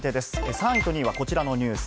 ３位と２位はこちらのニュース。